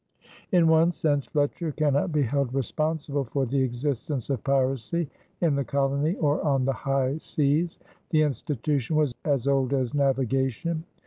In one sense Fletcher cannot be held responsible for the existence of piracy in the colony or on the high seas. The institution was as old as navigation.